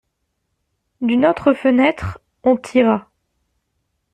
D'une autre fenêtre, on tira.